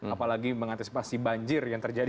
apalagi mengantisipasi banjir yang terjadi